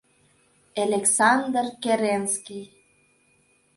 Элександр — Керенский.